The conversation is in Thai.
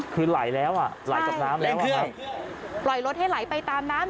คือไหลแล้วอ่ะไหลจากน้ำแล้วปล่อยรถให้ไหลไปตามน้ำ